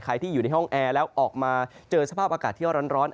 ที่อยู่ในห้องแอร์แล้วออกมาเจอสภาพอากาศที่ร้อน